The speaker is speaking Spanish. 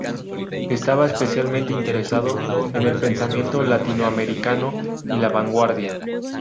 Estaba especialmente interesado en el pensamiento latinoamericano y la vanguardia.